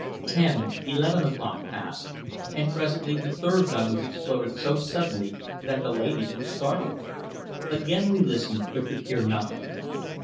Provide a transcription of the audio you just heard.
Ten, eleven o'clock passed, and presently the third gun was exploded so suddenly that the ladies were startled. Again we listened, but could hear nothing.